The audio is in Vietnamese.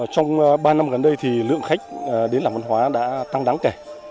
trong ba năm gần đây lượng khách đến làng văn hóa đã tăng đáng kể